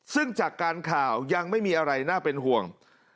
ซึ่งจากการข่าวยังไม่มีอะไรน่าเป็นห่วง